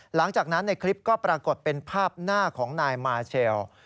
หลังจากนั้นในคลิปก็ปรากฏเป็นภาพหน้าของนายมาเชล